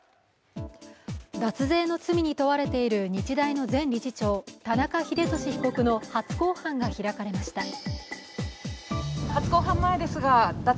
脱税の罪に問われている日大の前理事長、田中英寿被告の初公判が開かれました。